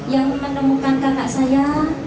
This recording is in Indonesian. yang menemukan kakak saya